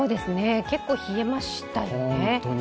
結構冷えましたよね。